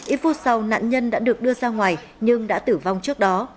ít phút sau nạn nhân đã được đưa ra ngoài nhưng đã tử vong trước đó